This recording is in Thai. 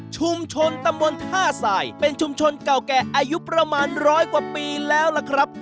ชุมชนตำบลท่าสายเป็นชุมชนเก่าแก่อายุประมาณร้อยกว่าปีแล้วล่ะครับ